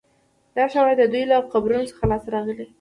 دا شواهد د دوی له قبرونو څخه لاسته راغلي دي